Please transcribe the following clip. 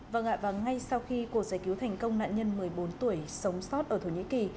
vâng ạ và ngay sau khi cuộc giải cứu thành công nạn nhân một mươi bốn tuổi sống sót ở thổ nhĩ kỳ